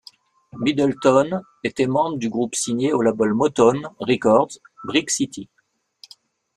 Middleton était membre du groupe signé au label Motown Records, Brik Citi.